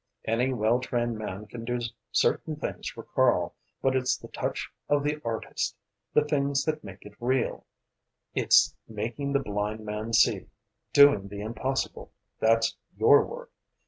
Any well trained man can do certain things for Karl but it's the touch of the artist the things that make it real it's making the blind man see doing the impossible! that's your work.